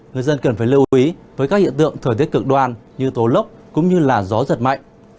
người dân cần phải lưu ý với các hiện tượng thời tiết cực đoan như tố lốc cũng như gió giật mạnh